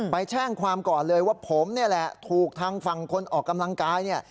แจ้งความก่อนเลยว่าผมนี่แหละถูกทางฝั่งคนออกกำลังกายเนี่ย